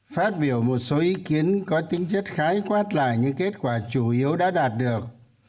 phát biểu một số ý kiến có tính chất khái quát lại những kết quả chủ yếu đã đạt được